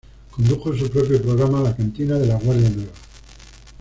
Condujo su propio programa, "La cantina de la Guardia Nueva".